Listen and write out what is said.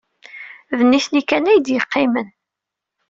D nitni kan ay d-yeqqimen.